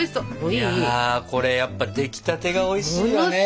いやこれやっぱ出来立てがおいしいよね。